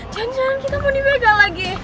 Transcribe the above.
jangan jangan kita mau dibeka lagi